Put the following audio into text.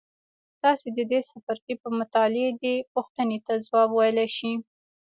تاسې د دې څپرکي په مطالعې دې پوښتنو ته ځواب ویلای شئ.